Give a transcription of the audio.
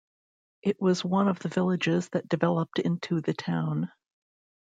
It was one of the villages that developed into the town.